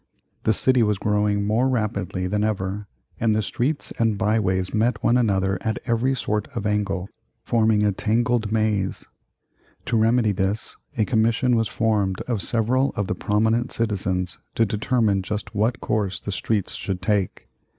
The city was growing more rapidly than ever and the streets and byways met one another at every sort of angle, forming a tangled maze. To remedy this, a commission was formed of several of the prominent citizens to determine just what course the streets should take.